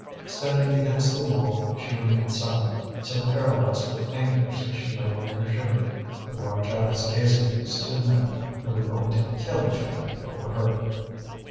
Standing against the wall, she remained silent, so paralysed with anguish that she no longer shivered, her large eyes gazing at these two men who were going to kill each other over her.